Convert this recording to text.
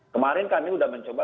kemarin kami sudah mencoba